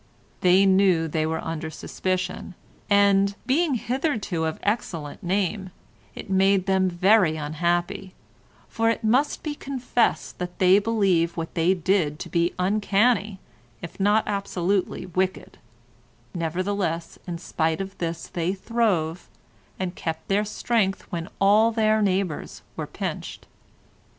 They knew they were under suspicion, and, being hitherto of excellent name, it made them very unhappy, for it must be confessed that they believed what they did to be uncanny if not absolutely wicked; nevertheless, in spite of this they throve, and kept their strength when all their neighbours were pinched.